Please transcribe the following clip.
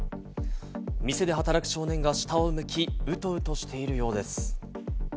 店で働く少年が下を向き、ウトウトしているようです。